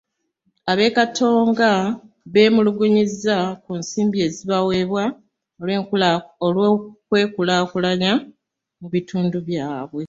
Ab'e Katonga beemulugunyizza ku nsimbi ezibaweebwa okwekulaakulanyamu bitundu byabwe.